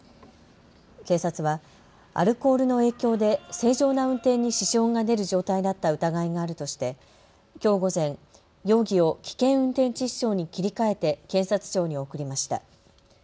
警察はアルコールの影響で正常な運転に支障が出る状態だった疑いがあるとしてきょう午前、容疑を危険運転致死傷に切り替えて検察庁に送りました。